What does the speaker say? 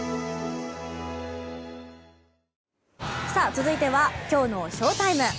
続いてはきょうのＳＨＯＴＩＭＥ。